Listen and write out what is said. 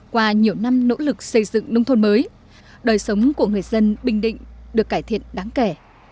qua nhiều năm nỗ lực xây dựng nông thôn mới đời sống của người dân bình định được cải thiện đáng kể